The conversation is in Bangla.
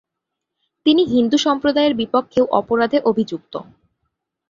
তিনি হিন্দু সম্প্রদায়ের বিপক্ষেও অপরাধে অভিযুক্ত।